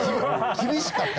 厳しかった。